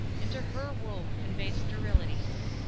Into her womb convey sterility!